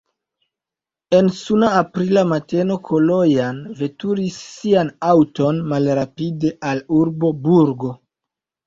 En suna aprila mateno Kalojan veturigis sian aŭton malrapide al urbo Burgo.